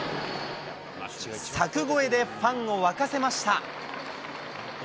柵越えでファンを沸かせました。